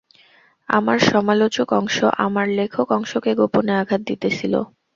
আমার সমালোচক অংশ আমার লেখক অংশকে গোপনে আঘাত দিতেছিল।